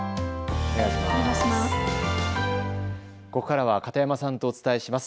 ここからは片山さんとお伝えします。